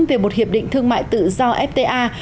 về một hiệp định thương mại tự do fta